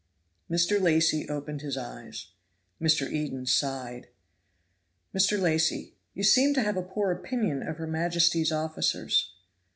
Mr. Lacy opened his eyes. Mr. Eden sighed. Mr. Lacy. "You seem to have a poor opinion of her majesty's officers."